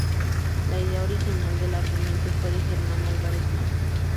La idea original del argumento fue de Germán Álvarez Blanco.